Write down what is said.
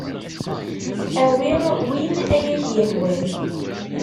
Awi win ay ak-yehwan.